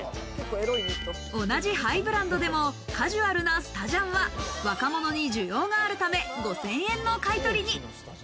同じハイブランドでも、カジュアルなスタジャンは若者に需要があるため、５０００円の買取に。